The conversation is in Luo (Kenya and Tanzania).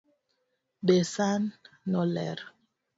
Be San no ler?